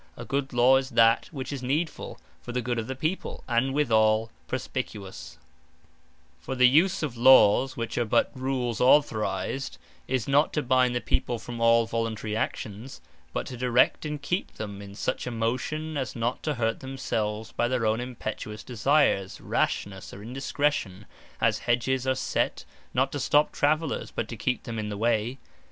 A good Law is that, which is Needfull, for the Good Of The People, and withall Perspicuous. Such As Are Necessary For the use of Lawes, (which are but Rules Authorised) is not to bind the People from all Voluntary actions; but to direct and keep them in such a motion, as not to hurt themselves by their own impetuous desires, rashnesse, or indiscretion, as Hedges are set, not to stop Travellers, but to keep them in the way.